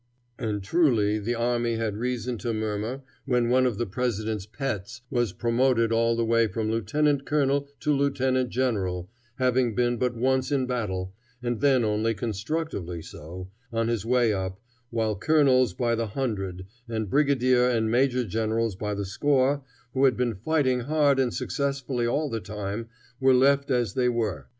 And truly the army had reason to murmur, when one of the president's pets was promoted all the way from lieutenant colonel to lieutenant general, having been but once in battle, and then only constructively so, on his way up, while colonels by the hundred, and brigadier and major generals by the score, who had been fighting hard and successfully all the time, were left as they were.